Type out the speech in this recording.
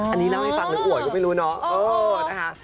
อันนี้เล่าให้ฟังหรืออวยก็ไม่รู้เนาะ